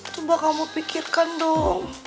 coba kamu pikirkan dong